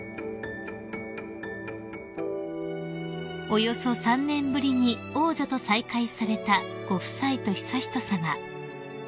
［およそ３年ぶりに王女と再会されたご夫妻と悠仁さま］